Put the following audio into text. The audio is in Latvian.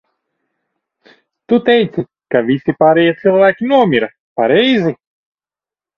Tu teici, ka visi pārējie cilvēki nomira, pareizi?